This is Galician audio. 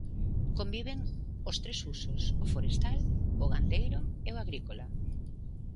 Conviven os tres usos: o forestal, o gandeiro e o agrícola.